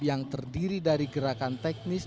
yang terdiri dari gerakan teknis